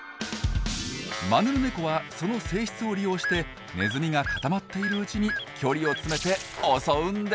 マヌルネコはその性質を利用してネズミが固まっているうちに距離を詰めて襲うんです。